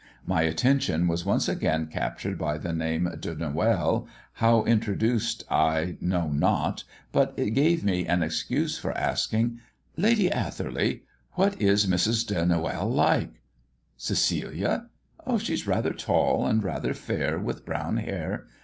My attention was once again captured by the name de Noël, how introduced I know not, but it gave me an excuse for asking "Lady Atherley, what is Mrs. de Noël like?" "Cecilia? She is rather tall and rather fair, with brown hair.